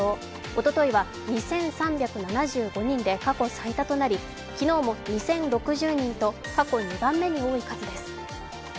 おとといは２３７５人で過去最多となり、昨日も２０６０人と過去２番目に多い数です。